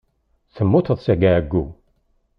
Temmuteḍ seg ɛeyyu.